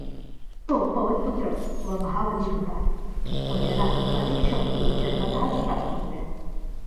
तो पवनपुत्र व महाबली होता व त्याला अनेक शक्ती जन्मतःच प्राप्त होत्या.